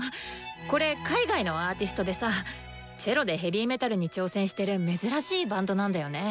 これ海外のアーティストでさチェロでヘビーメタルに挑戦してる珍しいバンドなんだよね。